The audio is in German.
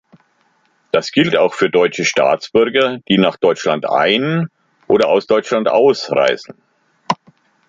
Das gilt auch für deutsche Staatsbürger, die nach Deutschland ein- oder aus Deutschland ausreisen.